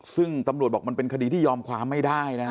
ซึ่งตำรวจบอกมันเป็นคดีที่ยอมความไม่ได้นะฮะ